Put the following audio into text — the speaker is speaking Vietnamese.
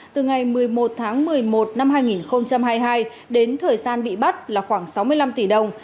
từ ngày một mươi một tháng một mươi một năm hai nghìn hai mươi hai đến thời gian bị bắt là khoảng sáu mươi năm tỷ đồng